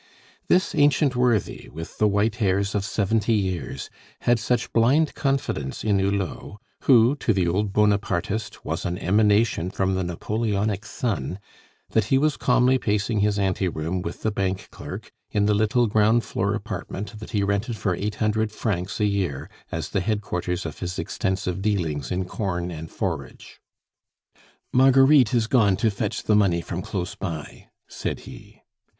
This ancient worthy, with the white hairs of seventy years, had such blind confidence in Hulot who, to the old Bonapartist, was an emanation from the Napoleonic sun that he was calmly pacing his anteroom with the bank clerk, in the little ground floor apartment that he rented for eight hundred francs a year as the headquarters of his extensive dealings in corn and forage. "Marguerite is gone to fetch the money from close by," said he.